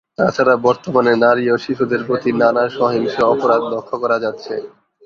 তাছাড়া বর্তমানে নারী ও শিশুদের প্রতি নানা সহিংস অপরাধ লক্ষ্য করা যাচ্ছে।